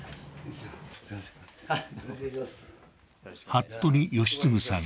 服部吉次さん